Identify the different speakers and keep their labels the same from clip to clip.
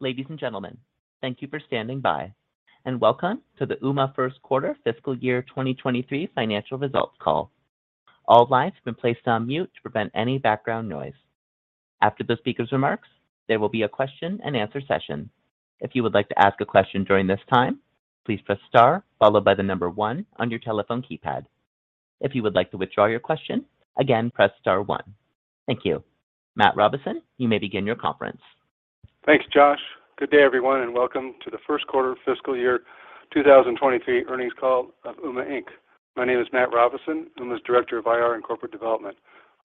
Speaker 1: Ladies and gentlemen, thank you for standing by, and welcome to the Ooma first quarter fiscal year 2023 financial results call. All lines have been placed on mute to prevent any background noise. After the speaker's remarks, there will be a question and answer session. If you would like to ask a question during this time, please press star followed by the number one on your telephone keypad. If you would like to withdraw your question, again, press star one. Thank you. Matt Robison, you may begin your conference.
Speaker 2: Thanks, Josh. Good day, everyone, and welcome to the first quarter fiscal year 2023 earnings call of Ooma, Inc. My name is Matt Robison, Ooma's Director of IR and Corporate Development.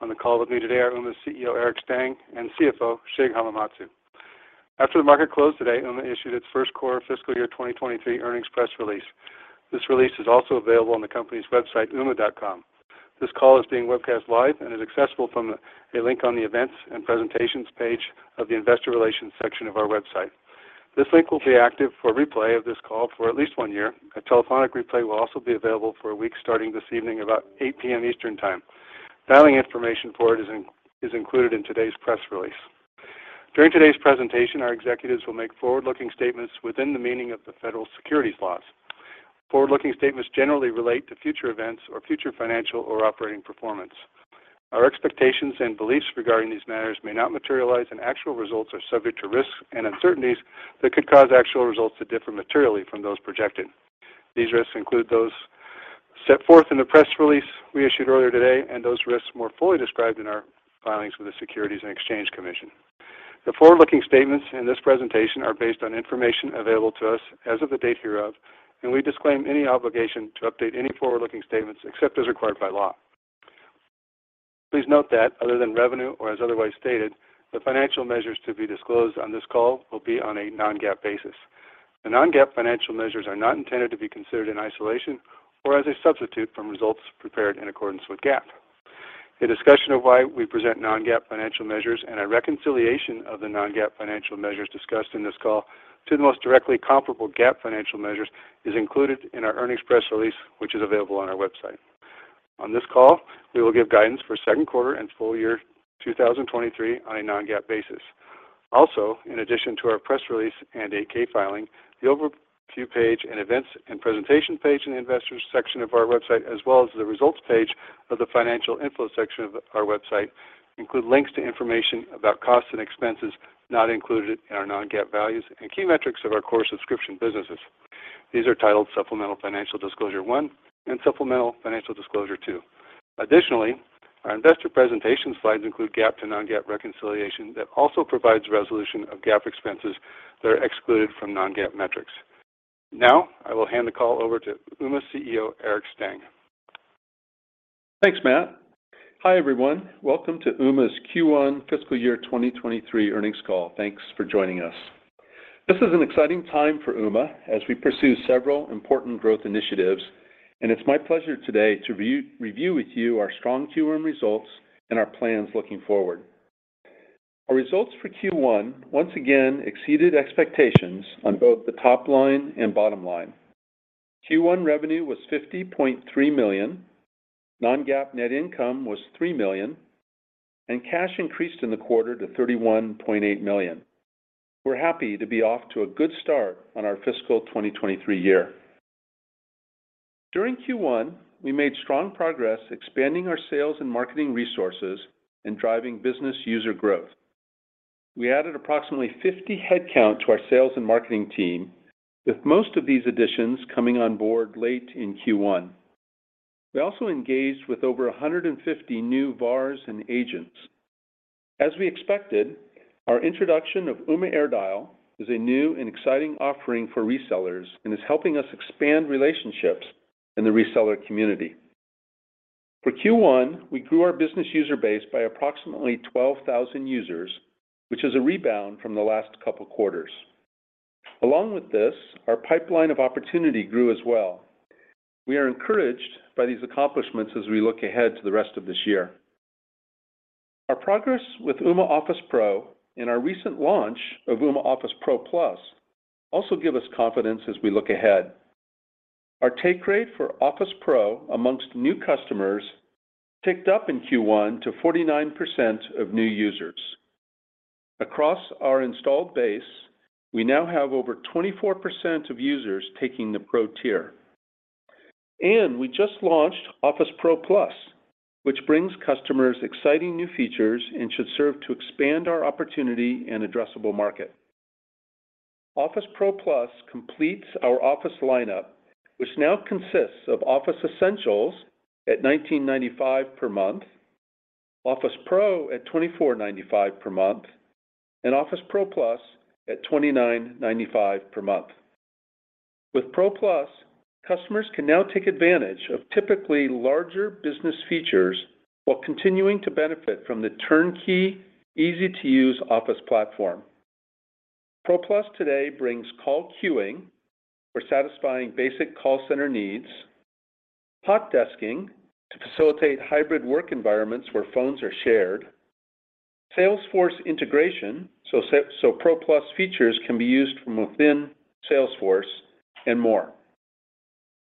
Speaker 2: On the call with me today are Ooma's CEO, Eric Stang, and CFO, Shig Hamamatsu. After the market closed today, Ooma issued its first quarter fiscal year 2023 earnings press release. This release is also available on the company's website, ooma.com. This call is being webcast live and is accessible from a link on the Events and Presentations page of the Investor Relations section of our website. This link will be active for a replay of this call for at least one year. A telephonic replay will also be available for a week starting this evening about 8 P.M. Eastern Time. Filing information for it is included in today's press release. During today's presentation, our executives will make forward-looking statements within the meaning of the federal securities laws. Forward-looking statements generally relate to future events or future financial or operating performance. Our expectations and beliefs regarding these matters may not materialize, and actual results are subject to risks and uncertainties that could cause actual results to differ materially from those projected. These risks include those set forth in the press release we issued earlier today and those risks more fully described in our filings with the Securities and Exchange Commission. The forward-looking statements in this presentation are based on information available to us as of the date hereof, and we disclaim any obligation to update any forward-looking statements except as required by law. Please note that other than revenue or as otherwise stated, the financial measures to be disclosed on this call will be on a non-GAAP basis. The non-GAAP financial measures are not intended to be considered in isolation or as a substitute from results prepared in accordance with GAAP. A discussion of why we present non-GAAP financial measures and a reconciliation of the non-GAAP financial measures discussed in this call to the most directly comparable GAAP financial measures is included in our earnings press release, which is available on our website. On this call, we will give guidance for second quarter and full year 2023 on a non-GAAP basis. Also, in addition to our press release and 8-K filing, the Overview page and Events and Presentation page in the Investors section of our website, as well as the Results page of the Financial Info section of our website, include links to information about costs and expenses not included in our non-GAAP values and key metrics of our core subscription businesses. These are titled Supplemental Financial Disclosure one and Supplemental Financial Disclosure two. Additionally, our investor presentation slides include GAAP to non-GAAP reconciliation that also provides reconciliation of GAAP expenses that are excluded from non-GAAP metrics. Now, I will hand the call over to Ooma CEO, Eric Stang.
Speaker 3: Thanks, Matt. Hi, everyone. Welcome to Ooma's Q1 fiscal year 2023 earnings call. Thanks for joining us. This is an exciting time for Ooma as we pursue several important growth initiatives, and it's my pleasure today to review with you our strong Q1 results and our plans looking forward. Our results for Q1 once again exceeded expectations on both the top line and bottom line. Q1 revenue was $50.3 million. non-GAAP net income was $3 million, and cash increased in the quarter to $31.8 million. We're happy to be off to a good start on our fiscal 2023 year. During Q1, we made strong progress expanding our sales and marketing resources and driving business user growth. We added approximately 50 headcount to our sales and marketing team, with most of these additions coming on board late in Q1. We also engaged with over 150 new VARs and agents. As we expected, our introduction of Ooma AirDial is a new and exciting offering for resellers and is helping us expand relationships in the reseller community. For Q1, we grew our business user base by approximately 12,000 users, which is a rebound from the last couple quarters. Along with this, our pipeline of opportunity grew as well. We are encouraged by these accomplishments as we look ahead to the rest of this year. Our progress with Ooma Office Pro and our recent launch of Ooma Office Pro Plus also give us confidence as we look ahead. Our take rate for Office Pro amongst new customers ticked up in Q1 to 49% of new users. Across our installed base, we now have over 24% of users taking the Pro tier. We just launched Office Pro Plus, which brings customers exciting new features and should serve to expand our opportunity in addressable market. Office Pro Plus completes our Office lineup, which now consists of Office Essentials at $19.95 per month, Office Pro at $24.95 per month, and Office Pro Plus at $29.95 per month. With Pro Plus, customers can now take advantage of typically larger business features while continuing to benefit from the turnkey easy-to-use Office platform. Pro Plus today brings call queuing for satisfying basic call center needs, hot desking to facilitate hybrid work environments where phones are shared, Salesforce integration, so Pro Plus features can be used from within Salesforce, and more.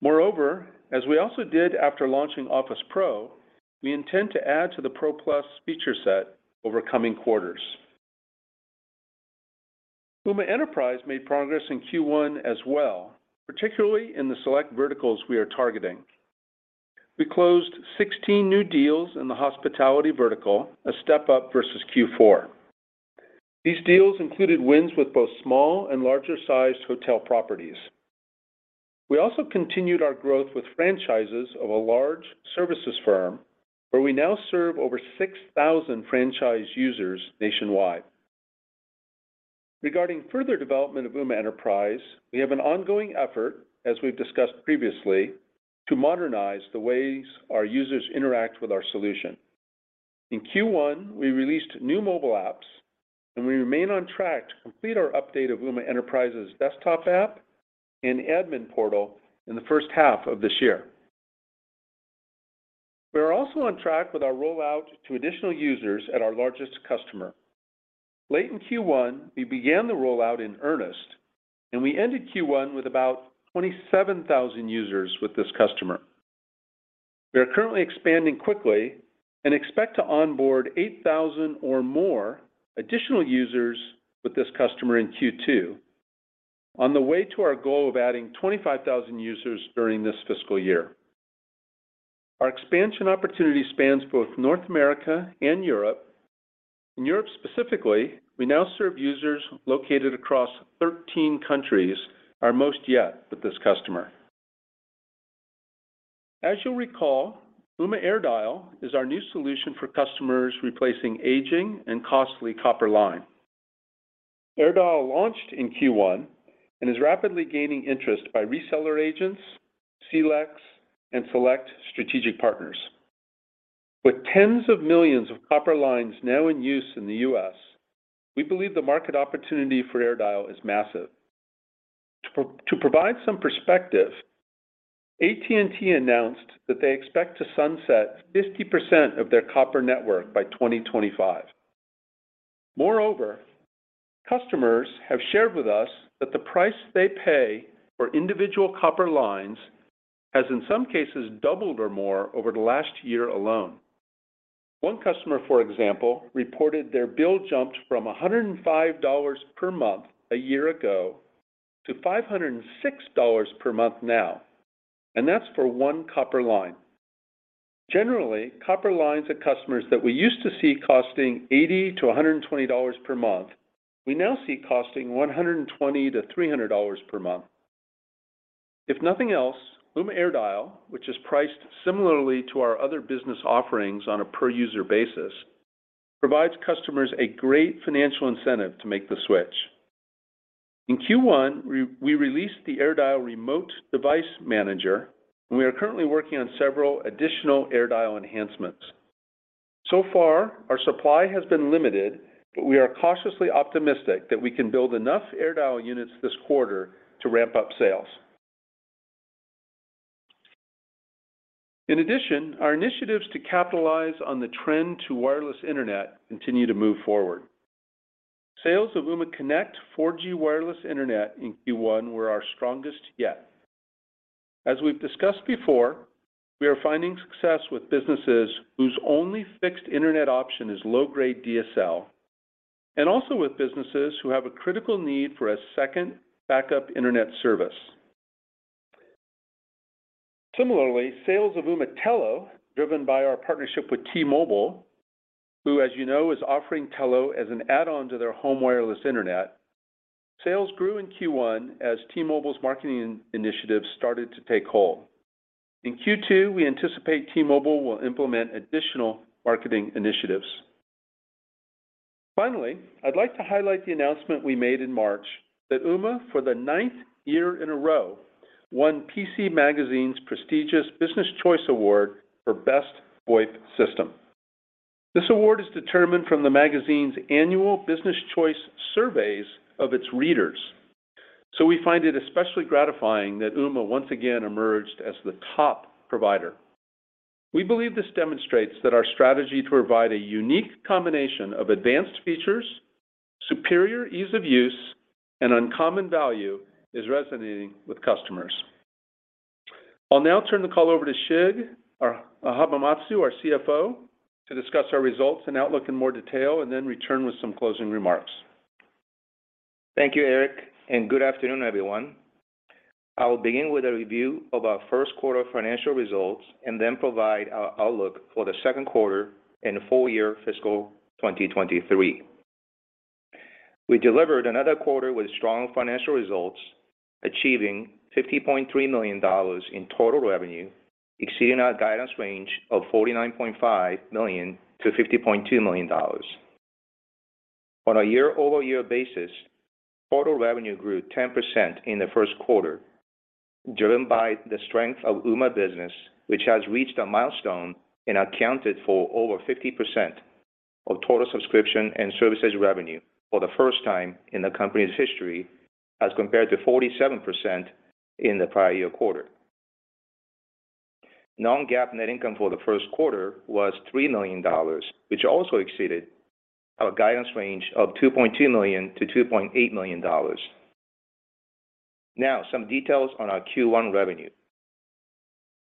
Speaker 3: Moreover, as we also did after launching Office Pro, we intend to add to the Pro Plus feature set over coming quarters. Ooma Enterprise made progress in Q1 as well, particularly in the select verticals we are targeting. We closed 16 new deals in the hospitality vertical, a step up versus Q4. These deals included wins with both small and larger sized hotel properties. We also continued our growth with franchises of a large services firm, where we now serve over 6,000 franchise users nationwide. Regarding further development of Ooma Enterprise, we have an ongoing effort, as we've discussed previously, to modernize the ways our users interact with our solution. In Q1, we released new mobile apps, and we remain on track to complete our update of Ooma Enterprise's desktop app and admin portal in the first half of this year. We are also on track with our rollout to additional users at our largest customer. Late in Q1, we began the rollout in earnest, and we ended Q1 with about 27,000 users with this customer. We are currently expanding quickly and expect to onboard 8,000 or more additional users with this customer in Q2 on the way to our goal of adding 25,000 users during this fiscal year. Our expansion opportunity spans both North America and Europe. In Europe specifically, we now serve users located across 13 countries, our most yet with this customer. As you'll recall, Ooma AirDial is our new solution for customers replacing aging and costly copper line. AirDial launched in Q1 and is rapidly gaining interest by reseller agents, CLECs, and select strategic partners. With tens of millions of copper lines now in use in the U.S., we believe the market opportunity for AirDial is massive. To provide some perspective, AT&T announced that they expect to sunset 50% of their copper network by 2025. Moreover, customers have shared with us that the price they pay for individual copper lines has in some cases doubled or more over the last year alone. One customer, for example, reported their bill jumped from $105 per month a year ago to $506 per month now, and that's for one copper line. Generally, copper lines of customers that we used to see costing $80-$120 per month, we now see costing $120-$300 per month. If nothing else, Ooma AirDial, which is priced similarly to our other business offerings on a per user basis, provides customers a great financial incentive to make the switch. In Q1, we released the AirDial Remote Device Manager, and we are currently working on several additional AirDial enhancements. So far, our supply has been limited, but we are cautiously optimistic that we can build enough AirDial units this quarter to ramp up sales. In addition, our initiatives to capitalize on the trend to wireless internet continue to move forward. Sales of Ooma Connect 4G wireless internet in Q1 were our strongest yet. As we've discussed before, we are finding success with businesses whose only fixed internet option is low-grade DSL and also with businesses who have a critical need for a second backup internet service. Similarly, sales of Ooma Telo, driven by our partnership with T-Mobile, who, as you know, is offering Telo as an add-on to their home wireless internet, sales grew in Q1 as T-Mobile's marketing initiatives started to take hold. In Q2, we anticipate T-Mobile will implement additional marketing initiatives. Finally, I'd like to highlight the announcement we made in March that Ooma, for the ninth year in a row, won PC Magazine's prestigious Business Choice Award for Best VoIP System. This award is determined from the magazine's annual business choice surveys of its readers, so we find it especially gratifying that Ooma once again emerged as the top provider. We believe this demonstrates that our strategy to provide a unique combination of advanced features, superior ease of use, and uncommon value is resonating with customers. I'll now turn the call over to Shig Hamamatsu, our CFO, to discuss our results and outlook in more detail and then return with some closing remarks.
Speaker 4: Thank you, Eric, and good afternoon, everyone. I will begin with a review of our first quarter financial results and then provide our outlook for the second quarter and full year fiscal 2023. We delivered another quarter with strong financial results, achieving $50.3 million in total revenue, exceeding our guidance range of $49.5 million-$50.2 million. On a year-over-year basis, total revenue grew 10% in the first quarter, driven by the strength of Ooma Business, which has reached a milestone and accounted for over 50% of total subscription and services revenue for the first time in the company's history, as compared to 47% in the prior year quarter. non-GAAP net income for the first quarter was $3 million, which also exceeded our guidance range of $2.2 million-$2.8 million. Now, some details on our Q1 revenue.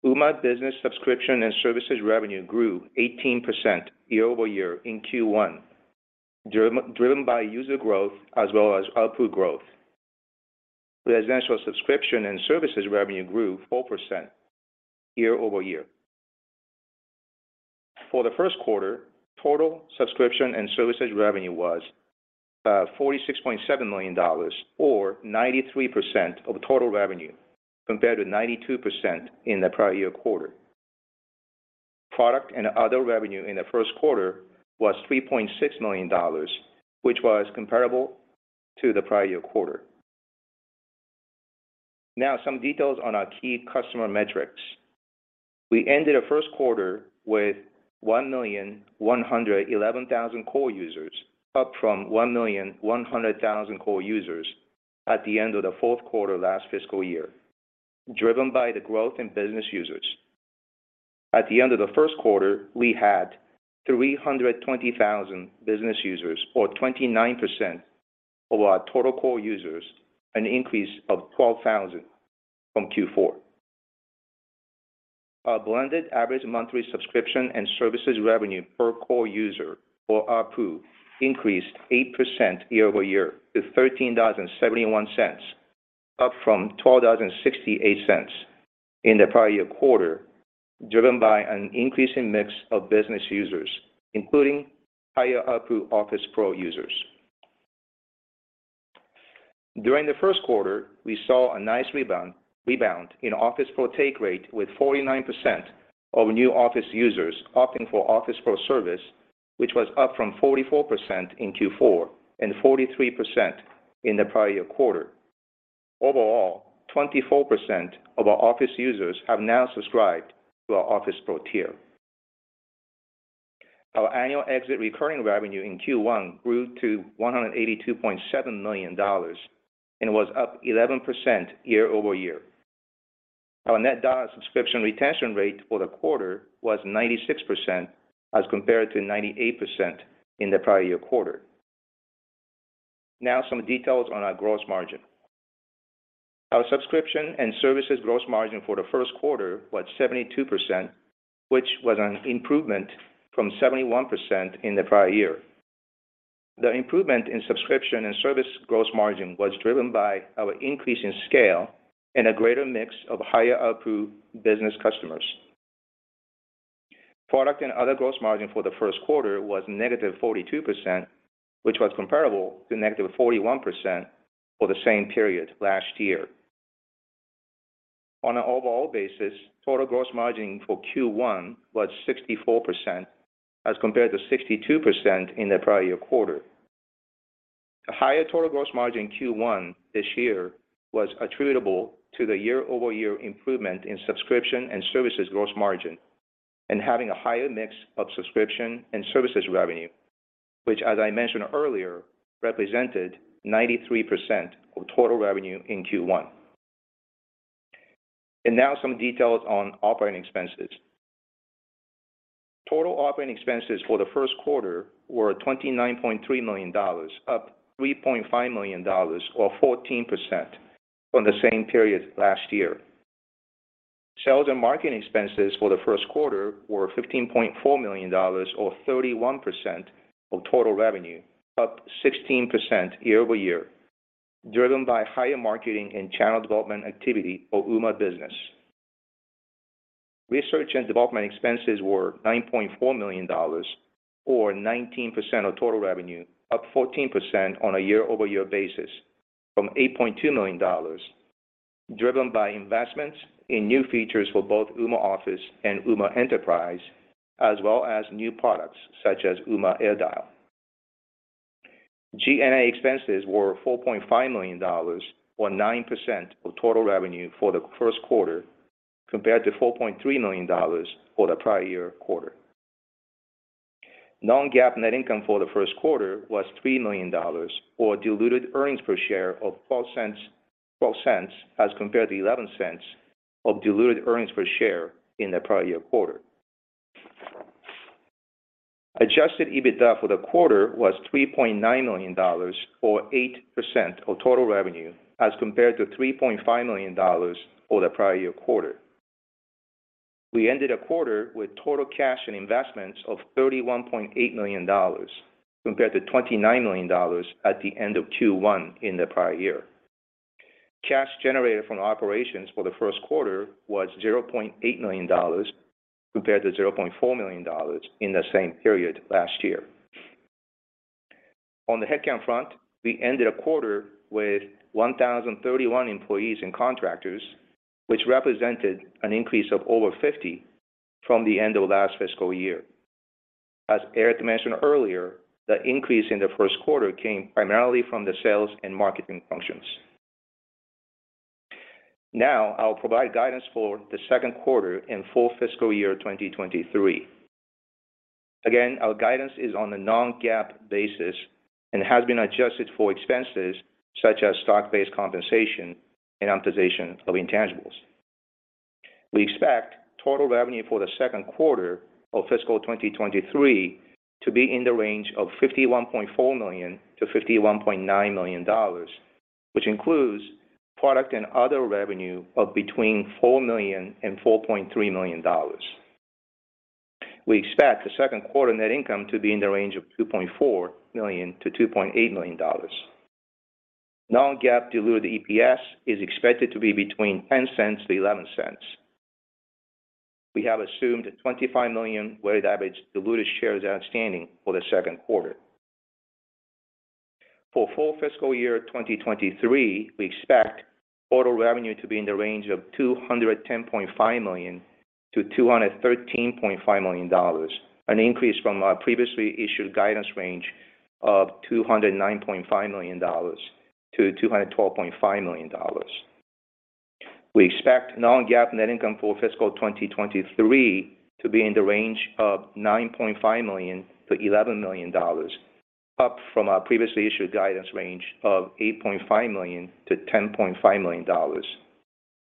Speaker 4: Ooma Business subscription and services revenue grew 18% year over year in Q1, driven by user growth as well as output growth. Residential subscription and services revenue grew 4% year over year. For the first quarter, total subscription and services revenue was $46.7 million or 93% of total revenue compared to 92% in the prior year quarter. Product and other revenue in the first quarter was $3.6 million, which was comparable to the prior year quarter. Now, some details on our key customer metrics. We ended the first quarter with 1,111,000 core users, up from 1,100,000 core users at the end of the fourth quarter last fiscal year, driven by the growth in business users. At the end of the first quarter, we had 320,000 business users or 29% of our total core users, an increase of 12,000 from Q4. Our blended average monthly subscription and services revenue per core user or ARPU increased 8% year over year to $13.71, up from $12.68 in the prior year quarter, driven by an increasing mix of business users, including higher ARPU Office Pro users. During the first quarter, we saw a nice rebound in Office Pro take rate with 49% of new Office users opting for Office Pro service, which was up from 44% in Q4 and 43% in the prior year quarter. Overall, 24% of our Office users have now subscribed to our Office Pro tier. Our annual exit recurring revenue in Q1 grew to $182.7 million and was up 11% year-over-year. Our net dollar subscription retention rate for the quarter was 96% as compared to 98% in the prior year quarter. Now, some details on our gross margin. Our subscription and services gross margin for the first quarter was 72%, which was an improvement from 71% in the prior year. The improvement in subscription and service gross margin was driven by our increase in scale and a greater mix of higher ARPU business customers. Product and other gross margin for the first quarter was -42%, which was comparable to -41% for the same period last year. On an overall basis, total gross margin for Q1 was 64% as compared to 62% in the prior year quarter. The higher total gross margin in Q1 this year was attributable to the year-over-year improvement in subscription and services gross margin and having a higher mix of subscription and services revenue, which as I mentioned earlier, represented 93% of total revenue in Q1. Now some details on operating expenses. Total operating expenses for the first quarter were $29.3 million, up $3.5 million or 14% from the same period last year. Sales and marketing expenses for the first quarter were $15.4 million or 31% of total revenue, up 16% year-over-year, driven by higher marketing and channel development activity for Ooma Business. Research and development expenses were $9.4 million or 19% of total revenue, up 14% on a year-over-year basis from $8.2 million, driven by investments in new features for both Ooma Office and Ooma Enterprise, as well as new products such as Ooma AirDial. G&A expenses were $4.5 million or 9% of total revenue for the first quarter compared to $4.3 million for the prior year quarter. Non-GAAP net income for the first quarter was $3 million or diluted earnings per share of $0.12 as compared to $0.11 of diluted earnings per share in the prior year quarter. Adjusted EBITDA for the quarter was $3.9 million or 8% of total revenue as compared to $3.5 million for the prior year quarter. We ended the quarter with total cash and investments of $31.8 million compared to $29 million at the end of Q1 in the prior year. Cash generated from operations for the first quarter was $0.8 million compared to $0.4 million in the same period last year. On the headcount front, we ended the quarter with 1,031 employees and contractors, which represented an increase of over 50 from the end of last fiscal year. As Eric mentioned earlier, the increase in the first quarter came primarily from the sales and marketing functions. Now, I'll provide guidance for the second quarter and full fiscal year 2023. Again, our guidance is on a non-GAAP basis and has been adjusted for expenses such as stock-based compensation and amortization of intangibles. We expect total revenue for the second quarter of fiscal 2023 to be in the range of $51.4 million-$51.9 million, which includes product and other revenue of between $4 million and $4.3 million. We expect the second quarter net income to be in the range of $2.4 million-$2.8 million. non-GAAP diluted EPS is expected to be between $0.10-$0.11. We have assumed a 25 million weighted average diluted shares outstanding for the second quarter. For full fiscal year 2023, we expect total revenue to be in the range of $210.5 million-$213.5 million, an increase from our previously issued guidance range of $209.5 million-$212.5 million. We expect non-GAAP net income for fiscal 2023 to be in the range of $9.5 million-$11 million, up from our previously issued guidance range of $8.5 million-$10.5 million.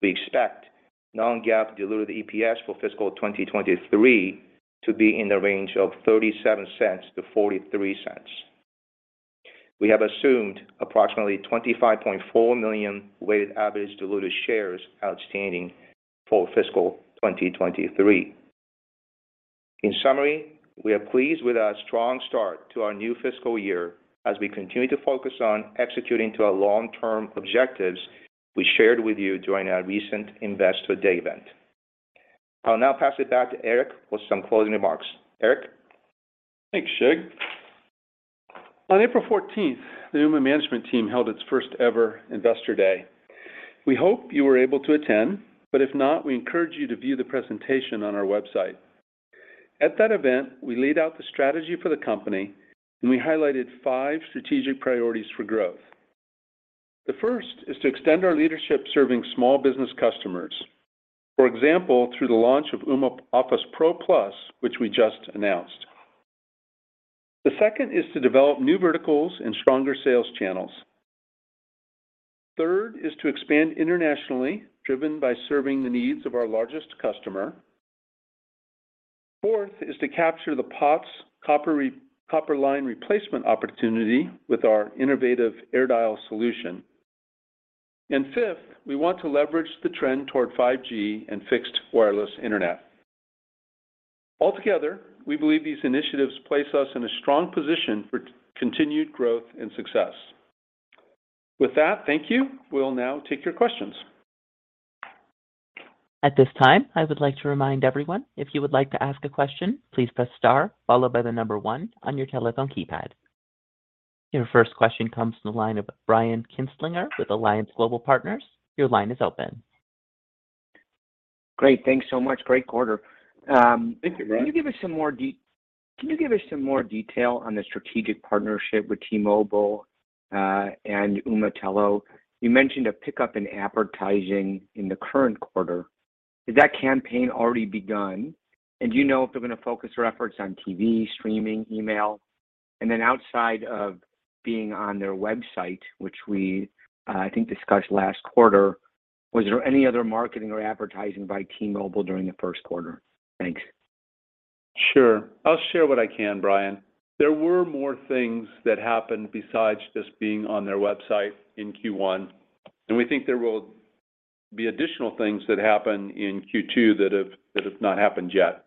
Speaker 4: We expect non-GAAP diluted EPS for fiscal 2023 to be in the range of $0.37-$0.43. We have assumed approximately 25.4 million weighted average diluted shares outstanding for fiscal 2023. In summary, we are pleased with our strong start to our new fiscal year as we continue to focus on executing to our long-term objectives we shared with you during our recent Investor Day event. I'll now pass it back to Eric for some closing remarks. Eric?
Speaker 3: Thanks, Shig. On April fourteenth, the Ooma management team held its first ever Investor Day. We hope you were able to attend, but if not, we encourage you to view the presentation on our website. At that event, we laid out the strategy for the company, and we highlighted five strategic priorities for growth. The first is to extend our leadership serving small business customers, for example, through the launch of Ooma Office Pro Plus, which we just announced. The second is to develop new verticals and stronger sales channels. Third is to expand internationally, driven by serving the needs of our largest customer. Fourth is to capture the POTS copper line replacement opportunity with our innovative AirDial solution. And fifth, we want to leverage the trend toward 5G and fixed wireless internet. Altogether, we believe these initiatives place us in a strong position for continued growth and success. With that, thank you. We'll now take your questions.
Speaker 1: At this time, I would like to remind everyone, if you would like to ask a question, please press star followed by the number one on your telephone keypad. Your first question comes from the line of Brian Kinstlinger with Alliance Global Partners. Your line is open.
Speaker 5: Great. Thanks so much. Great quarter.
Speaker 3: Thank you. Brian
Speaker 5: Can you give us some more detail on the strategic partnership with T-Mobile, and Ooma Telo? You mentioned a pickup in advertising in the current quarter. Has that campaign already begun? Do you know if they're gonna focus their efforts on TV, streaming, email? Outside of being on their website, which we, I think discussed last quarter, was there any other marketing or advertising by T-Mobile during the first quarter? Thanks.
Speaker 3: Sure. I'll share what I can, Brian. There were more things that happened besides just being on their website in Q1, and we think there will be additional things that happen in Q2 that have not happened yet.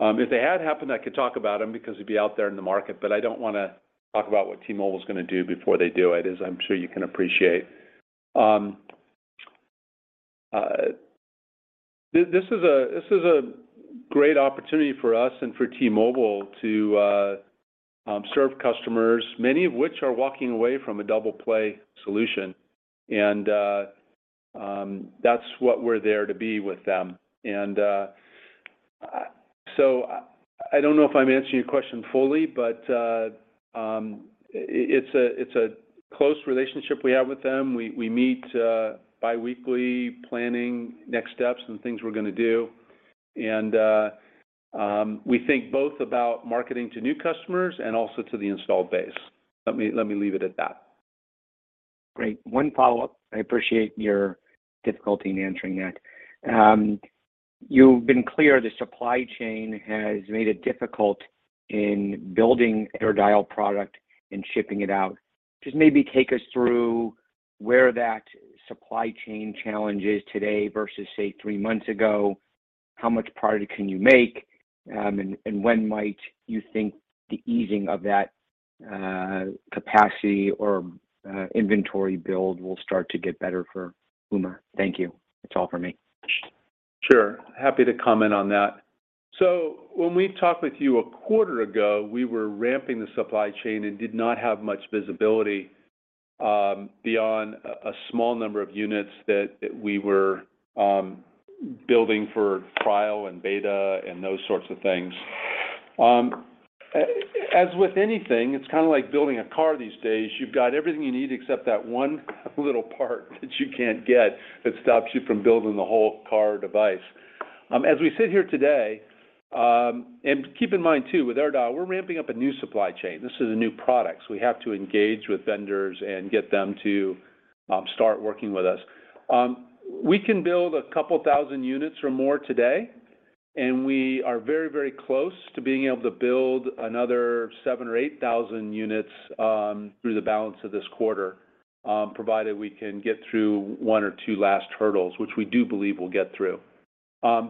Speaker 3: If they had happened, I could talk about them because it'd be out there in the market, but I don't wanna talk about what T-Mobile's gonna do before they do it, as I'm sure you can appreciate. This is a great opportunity for us and for T-Mobile to serve customers, many of which are walking away from a double play solution. So I don't know if I'm answering your question fully, but it's a close relationship we have with them. We meet biweekly, planning next steps and things we're gonna do. We think both about marketing to new customers and also to the installed base. Let me leave it at that.
Speaker 5: Great. One follow-up. I appreciate your difficulty in answering that. You've been clear the supply chain has made it difficult in building AirDial product and shipping it out. Just maybe take us through where that supply chain challenge is today versus, say, three months ago. How much product can you make? And when might you think the easing of that capacity or inventory build will start to get better for Ooma? Thank you. That's all for me.
Speaker 3: Sure. Happy to comment on that. When we talked with you a quarter ago, we were ramping the supply chain and did not have much visibility beyond a small number of units that we were building for trial and beta and those sorts of things. As with anything, it's kinda like building a car these days, you've got everything you need except that one little part that you can't get that stops you from building the whole car device. As we sit here today, and keep in mind too, with AirDial, we're ramping up a new supply chain. This is a new product, so we have to engage with vendors and get them to start working with us. We can build a couple thousand units or more today, and we are very, very close to being able to build another 7,000 or 8,000 units through the balance of this quarter, provided we can get through one or two last hurdles, which we do believe we'll get through.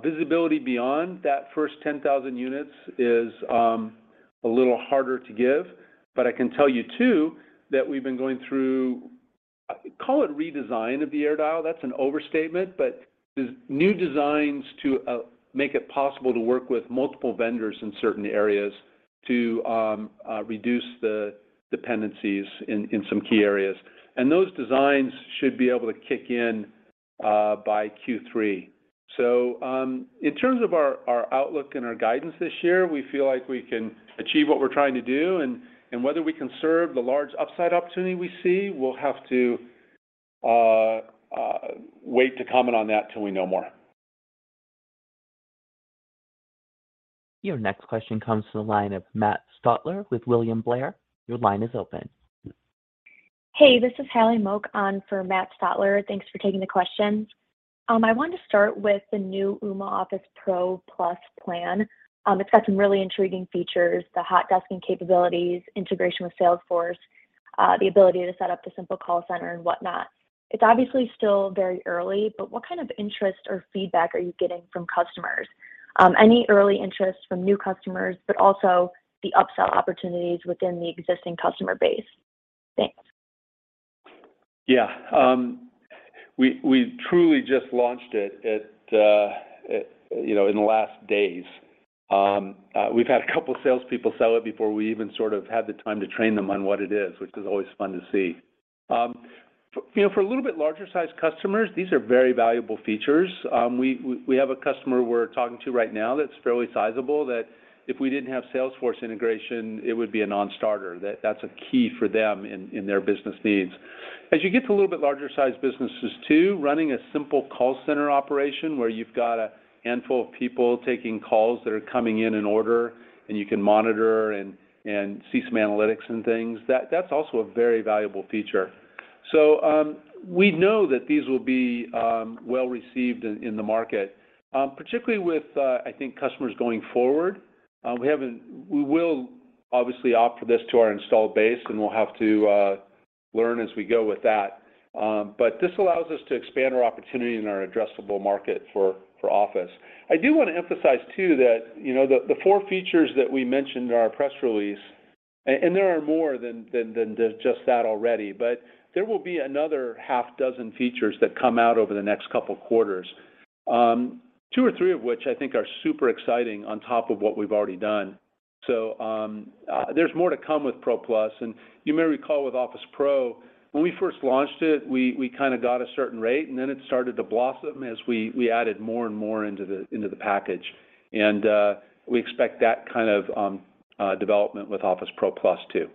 Speaker 3: Visibility beyond that first 10,000 units is a little harder to give, but I can tell you too that we've been going through, call it redesign of the AirDial. That's an overstatement, but the new designs to make it possible to work with multiple vendors in certain areas to reduce the dependencies in some key areas. Those designs should be able to kick in by Q3. In terms of our outlook and our guidance this year, we feel like we can achieve what we're trying to do, and whether we can serve the large upside opportunity we see, we'll have to wait to comment on that till we know more.
Speaker 1: Your next question comes from the line of Matthew Stotler with William Blair. Your line is open.
Speaker 6: Hey, this is Haley Mochan for Matt Stotler. Thanks for taking the questions. I wanted to start with the new Ooma Office Pro Plus plan. It's got some really intriguing features, the hot desking capabilities, integration with Salesforce, the ability to set up the simple call center and whatnot. It's obviously still very early, but what kind of interest or feedback are you getting from customers? Any early interest from new customers, but also the upsell opportunities within the existing customer base? Thanks.
Speaker 3: Yeah. We truly just launched it at, you know, in the last days. We've had a couple salespeople sell it before we even sort of had the time to train them on what it is, which is always fun to see. You know, for a little bit larger sized customers, these are very valuable features. We have a customer we're talking to right now that's fairly sizable that if we didn't have Salesforce integration, it would be a non-starter. That's a key for them in their business needs. As you get to a little bit larger sized businesses too, running a simple call center operation where you've got a handful of people taking calls that are coming in order, and you can monitor and see some analytics and things, that's also a very valuable feature. We know that these will be well received in the market, particularly, I think, with customers going forward. We will obviously offer this to our installed base, and we'll have to learn as we go with that. This allows us to expand our opportunity in our addressable market for Office. I do wanna emphasize too that, you know, the four features that we mentioned in our press release, and there are more than just that already, but there will be another half dozen features that come out over the next couple quarters, two or three of which I think are super exciting on top of what we've already done. There's more to come with Pro Plus, and you may recall with Office Pro, when we first launched it, we kinda got a certain rate, and then it started to blossom as we added more and more into the package. We expect that kind of development with Office Pro Plus too.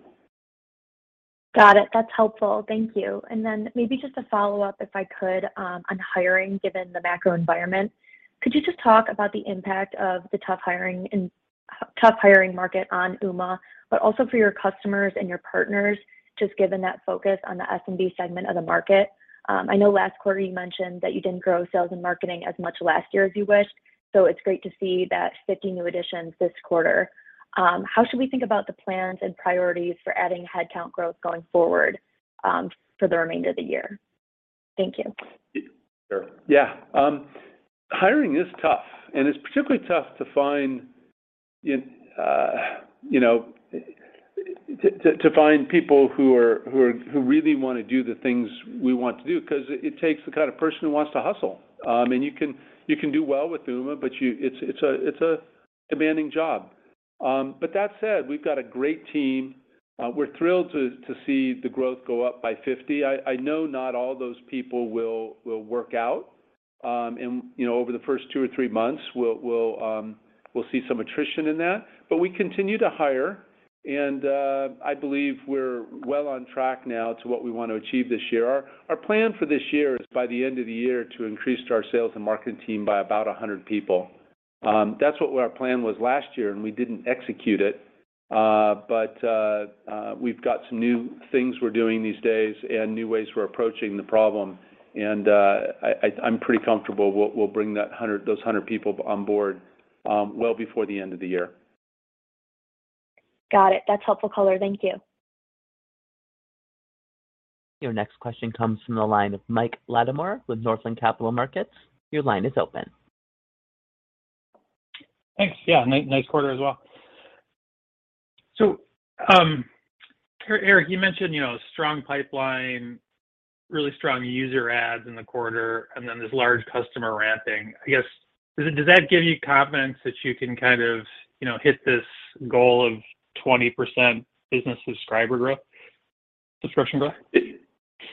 Speaker 6: Got it. That's helpful. Thank you. Maybe just a follow-up, if I could, on hiring, given the macro environment. Could you just talk about the impact of the tough hiring market on Ooma, but also for your customers and your partners, just given that focus on the SMB segment of the market? I know last quarter you mentioned that you didn't grow sales and marketing as much last year as you wished, so it's great to see that 50 new additions this quarter. How should we think about the plans and priorities for adding headcount growth going forward, for the remainder of the year? Thank you.
Speaker 3: Sure. Yeah. Hiring is tough, and it's particularly tough to find, you know, to find people who really wanna do the things we want to do 'cause it takes the kind of person who wants to hustle. You can do well with Ooma, but it's a demanding job. That said, we've got a great team. We're thrilled to see the growth go up by 50. I know not all those people will work out, and, you know, over the first two or three months, we'll see some attrition in that. We continue to hire, and I believe we're well on track now to what we want to achieve this year. Our plan for this year is by the end of the year to increase our sales and marketing team by about 100 people. That's what our plan was last year, and we didn't execute it. We've got some new things we're doing these days and new ways we're approaching the problem, and I'm pretty comfortable we'll bring those 100 people on board well before the end of the year.
Speaker 6: Got it. That's helpful color. Thank you.
Speaker 1: Your next question comes from the line of Mike Latimore with Northland Capital Markets. Your line is open.
Speaker 7: Thanks. Yeah. Nice quarter as well. Eric, you mentioned, you know, strong pipeline, really strong user adds in the quarter, and then this large customer ramping. I guess, does that give you confidence that you can kind of, you know, hit this goal of 20% business subscriber growth?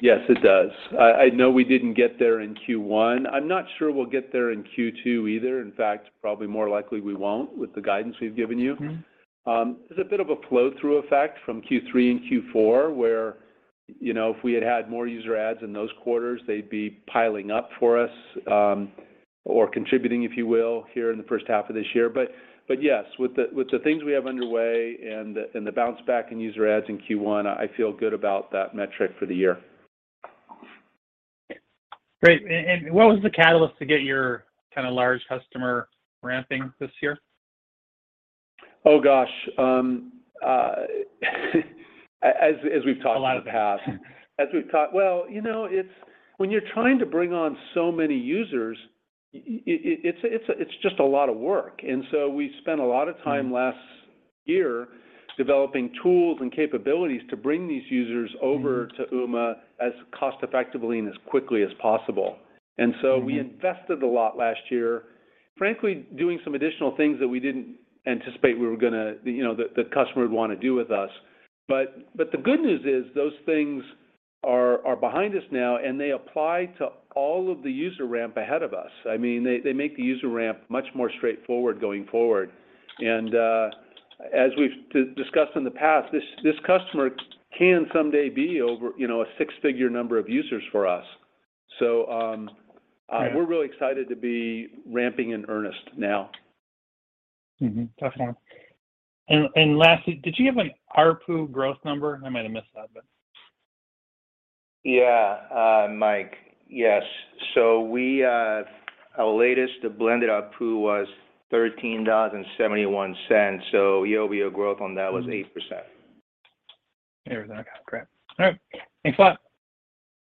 Speaker 3: Yes, it does. I know we didn't get there in Q1. I'm not sure we'll get there in Q2 either. In fact, probably more likely we won't with the guidance we've given you. There's a bit of a flow-through effect from Q3 and Q4, where, you know, if we had had more user adds in those quarters, they'd be piling up for us, or contributing, if you will, here in the first half of this year. Yes, with the things we have underway and the bounce back in user adds in Q1, I feel good about that metric for the year.
Speaker 7: Great. What was the catalyst to get your kind of large customer ramping this year?
Speaker 3: Oh, gosh. As we've talked in the past.
Speaker 7: A lot of them.
Speaker 3: Well, you know, it's when you're trying to bring on so many users, it's just a lot of work. We spent a lot of time last year developing tools and capabilities to bring these users over to Ooma as cost-effectively and as quickly as possible. We invested a lot last year, frankly, doing some additional things that we didn't anticipate we were gonna, you know, the customer would wanna do with us. The good news is those things are behind us now, and they apply to all of the user ramp ahead of us. I mean, they make the user ramp much more straightforward going forward. As we've discussed in the past, this customer can someday be over, you know, a six-figure number of users for us.
Speaker 7: Yeah
Speaker 3: We're really excited to be ramping in earnest now.
Speaker 7: Definitely. Lastly, did you have an ARPU growth number? I might have missed that, but
Speaker 4: Yeah, Mike. Yes. We have our latest blended ARPU was $13.71. Year-over-year growth on that was 8%.
Speaker 7: There we go. Great. All right. Thanks a lot.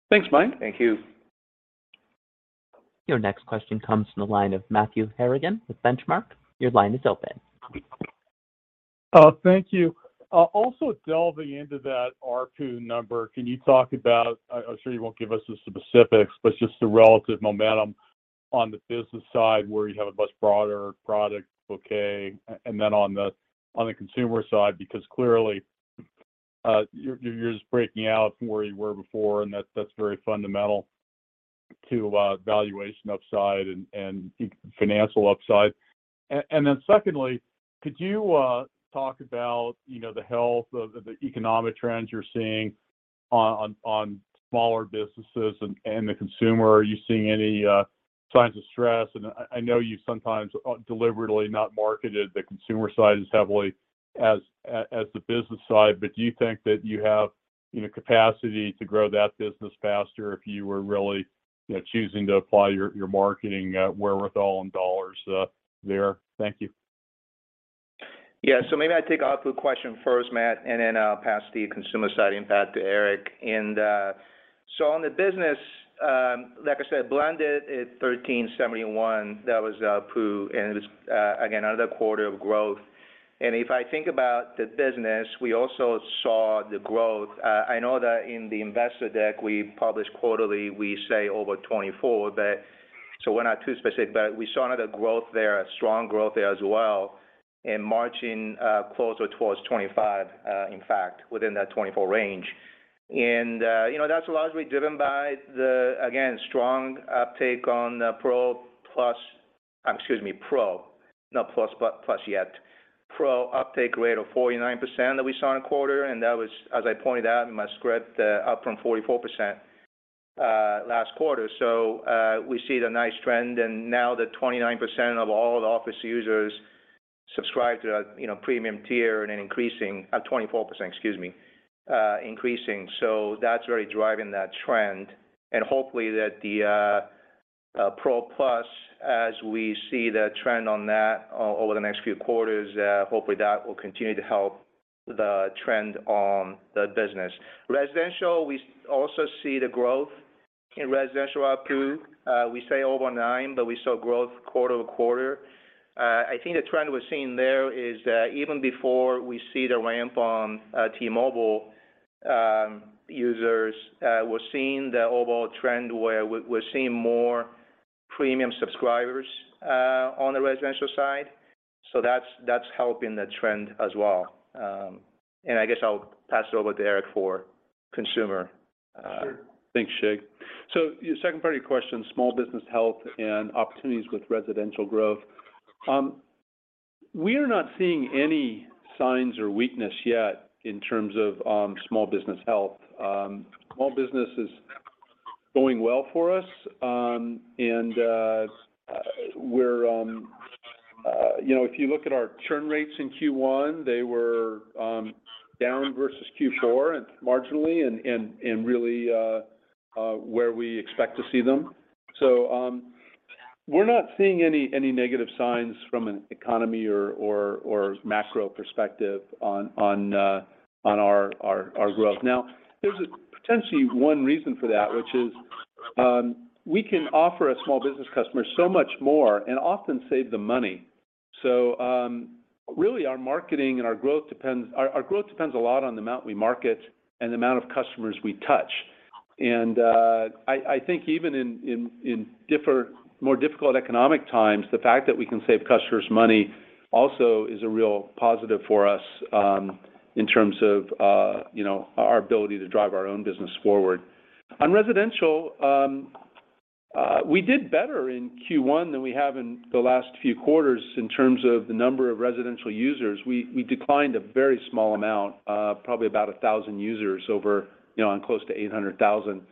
Speaker 3: Thanks, Mike.
Speaker 4: Thank you.
Speaker 1: Your next question comes from the line of Matthew Harrigan with Benchmark. Your line is open.
Speaker 8: Thank you. Also delving into that ARPU number, can you talk about, I'm sure you won't give us the specifics, but just the relative momentum on the business side where you have a much broader product bouquet, and then on the consumer side, because clearly, you're just breaking out from where you were before, and that's very fundamental to valuation upside and financial upside. Secondly, could you talk about, you know, the health of the economic trends you're seeing on smaller businesses and the consumer? Are you seeing any signs of stress? I know you sometimes deliberately not marketed the consumer side as heavily as the business side, but do you think that you have, you know, capacity to grow that business faster if you were really, you know, choosing to apply your marketing wherewithal and dollars there? Thank you.
Speaker 4: Yeah. Maybe I take ARPU question first, Matt, and then I'll pass the consumer side impact to Eric. On the business, like I said, blended at $13.71, that was ARPU, and it was, again, another quarter of growth. If I think about the business, we also saw the growth. I know that in the investor deck we publish quarterly, we say over $24, but we're not too specific, but we saw another growth there, a strong growth there as well, and marching closer towards $25, in fact, within that $24 range. That's largely driven by the, again, strong uptake on the Pro Plus, excuse me, Pro, not Plus, but Plus yet. Pro uptake rate of 49% that we saw in a quarter, and that was, as I pointed out in my script, up from 44% last quarter. We see the nice trend, and now that 29% of all the office users subscribe to a, you know, premium tier and increasing, 24%, excuse me, increasing. That's really driving that trend. Hopefully the Pro Plus, as we see the trend on that over the next few quarters, hopefully that will continue to help the trend on the business. Residential, we also see the growth in residential ARPU. We saw over $9, but we saw growth quarter-over-quarter. I think the trend we're seeing there is that even before we see the ramp on T-Mobile users, we're seeing the overall trend where we're seeing more premium subscribers on the residential side. So that's helping the trend as well. I guess I'll pass it over to Eric for consumer.
Speaker 3: Sure. Thanks, Shig. Your second part of your question, small business health and opportunities with residential growth. We are not seeing any signs of weakness yet in terms of small business health. Small business is going well for us. We're, you know, if you look at our churn rates in Q1, they were down versus Q4 and marginally and really where we expect to see them. We're not seeing any negative signs from the economy or macro perspective on our growth. Now, there's potentially one reason for that, which is, we can offer a small business customer so much more and often save them money. Really our marketing and our growth depends our growth depends a lot on the amount we market and the amount of customers we touch. I think even in more difficult economic times, the fact that we can save customers money also is a real positive for us, in terms of, you know, our ability to drive our own business forward. On residential, we did better in Q1 than we have in the last few quarters in terms of the number of residential users. We declined a very small amount, probably about 1,000 users over, you know, on close to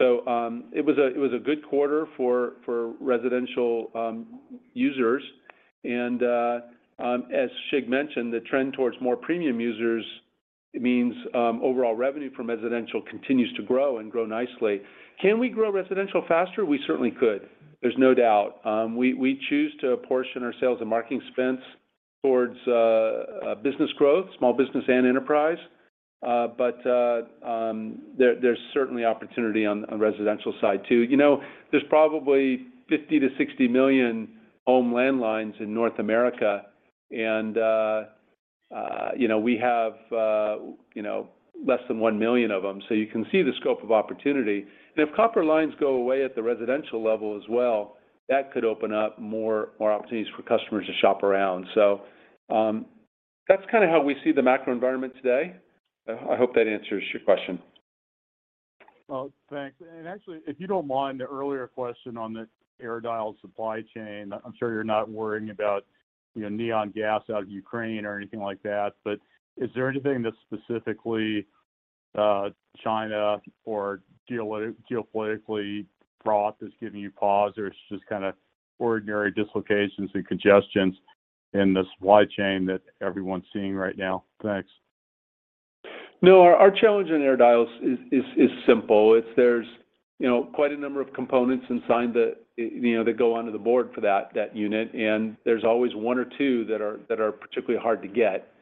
Speaker 3: 800,000. It was a good quarter for residential users. As Shig mentioned, the trend towards more premium users means overall revenue from residential continues to grow and grow nicely. Can we grow residential faster? We certainly could. There's no doubt. We choose to portion our sales and marketing spends towards business growth, small business and enterprise. There's certainly opportunity on residential side too. You know, there's probably 50 million-60 million home landlines in North America and you know, we have you know, less than 1 million of them, so you can see the scope of opportunity. If copper lines go away at the residential level as well, that could open up more opportunities for customers to shop around. That's kinda how we see the macro environment today. I hope that answers your question.
Speaker 8: Well, thanks. Actually, if you don't mind, an earlier question on the AirDial supply chain. I'm sure you're not worrying about, you know, neon gas out of Ukraine or anything like that. But is there anything that specifically, China or geopolitically fraught that's giving you pause or it's just kinda ordinary dislocations and congestions in the supply chain that everyone's seeing right now? Thanks.
Speaker 3: No. Our challenge in AirDial is simple. There's, you know, quite a number of components and such that go onto the board for that unit, and there's always one or two that are particularly hard to get.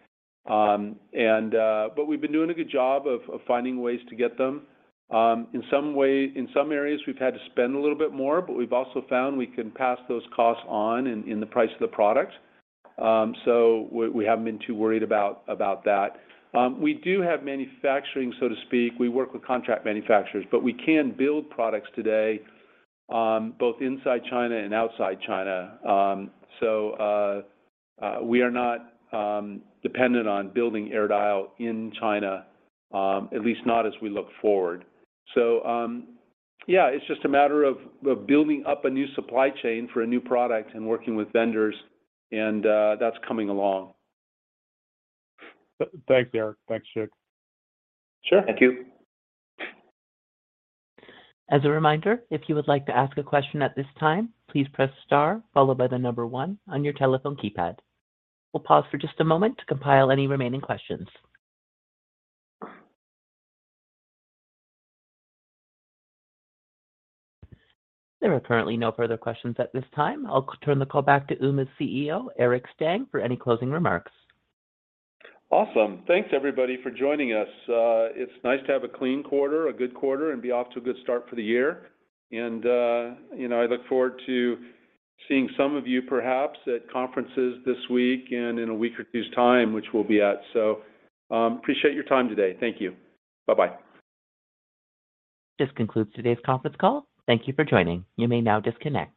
Speaker 3: We've been doing a good job of finding ways to get them. In some areas we've had to spend a little bit more, but we've also found we can pass those costs on in the price of the product. We haven't been too worried about that. We do have manufacturing, so to speak. We work with contract manufacturers, but we can build products today, both inside China and outside China. We are not dependent on building AirDial in China, at least not as we look forward. It's just a matter of building up a new supply chain for a new product and working with vendors, and that's coming along.
Speaker 8: Thanks, Eric. Thanks, Shig.
Speaker 3: Sure.
Speaker 8: Thank you.
Speaker 1: As a reminder, if you would like to ask a question at this time, please press star followed by the number one on your telephone keypad. We'll pause for just a moment to compile any remaining questions. There are currently no further questions at this time. I'll turn the call back to Ooma's CEO, Eric Stang, for any closing remarks.
Speaker 3: Awesome. Thanks everybody for joining us. It's nice to have a clean quarter, a good quarter, and be off to a good start for the year. You know, I look forward to seeing some of you perhaps at conferences this week and in a week or two's time, which we'll be at. Appreciate your time today. Thank you. Bye-bye.
Speaker 1: This concludes today's conference call. Thank you for joining. You may now disconnect.